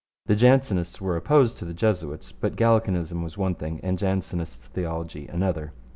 The Jansenists were opposed to the Jesuits, but Gallicanism was one thing and Jansenist theology another.